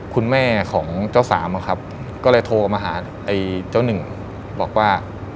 คุณแม่ของเจ้าสามอะครับก็เลยโทรมาหาไอ้เจ้าหนึ่งบอกว่า